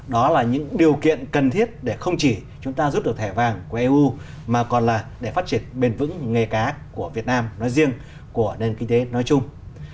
đó là những điều kiện cần thiết để không chỉ chúng ta giúp được thẻ vàng của eu mà còn là để phát triển bền vững nghề cá của việt nam nói riêng của nền kinh tế nói chung